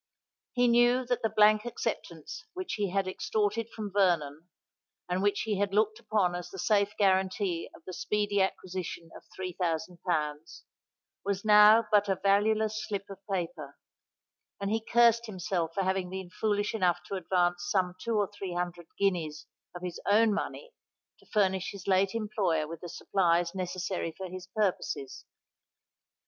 He knew that the blank acceptance which he had extorted from Vernon, and which he had looked upon as the safe guarantee of the speedy acquisition of three thousand pounds, was now but a valueless slip of paper; and he cursed himself for having been foolish enough to advance some two or three hundred guineas of his own money to furnish his late employer with the supplies necessary for his purposes.